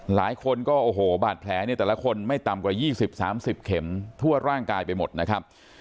หลายคนก็โอ้โหบาดแผลเนี่ยแต่ละคนไม่ต่ำกว่า๒๐๓๐เข็มทั่วร่างกายไปหมดนะครับ